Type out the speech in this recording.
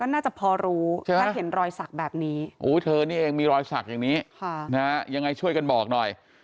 น่าจะพอรู้ถ้าเห็นรอยสักแบบนี้เธอนี่เองมีรอยสักอย่างนี้ยังไงช่วยกันบอกหน่อย